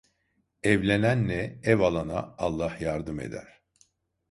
Evlenenle ev alana Allah yardım eder.